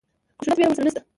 خشونت وېره ورسره نشته.